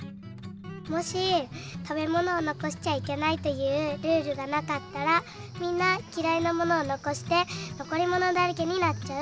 もし「食べものをのこしちゃいけない」っていうルールがなかったらみんなきらいなものをのこしてのこりものだらけになっちゃう。